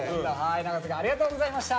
長瀬くんありがとうございました！